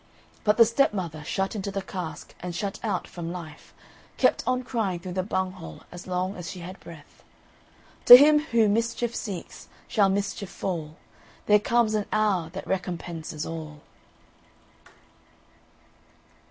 But the stepmother, shut into the cask and shut out from life, kept on crying through the bunghole as long as she had breath "To him who mischief seeks, shall mischief fall; There comes an hour that recompenses all."